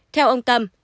theo ông tâm